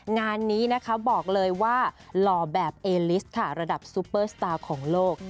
งานนี้นะคะบอกเลยว่าหล่อแบบเอลิสค่ะระดับซูเปอร์สตาร์ของโลก